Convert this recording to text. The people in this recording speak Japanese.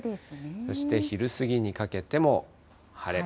そして昼過ぎにかけても晴れ。